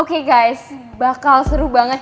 oke guys bakal seru banget